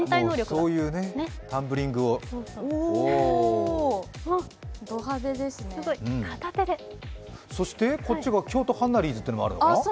安住そういうね、タンブリングをそしてこっちが、京都ハンナリーズというのがあくのかな。